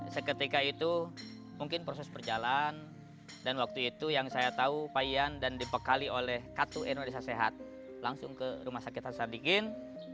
seketika itu mungkin proses berjalan dan waktu itu yang saya tahu pak ian dan dibekali oleh kartu indonesia sehat langsung ke rumah sakit hasan sadikin